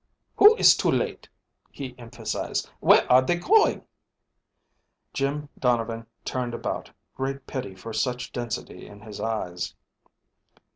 "Who is too late?" he emphasized. "Where are they going?" Jim Donovan turned about, great pity for such density in his eyes.